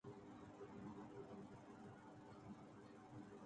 سچن کی ٹوئٹ نے تہلکہ مچا دیا